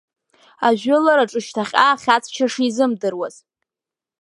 Ажәылараҿы шьҭахьҟа ахьаҵшьа шизымдыруаз.